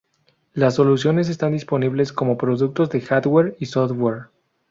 Las soluciones están disponibles como productos de hardware y software.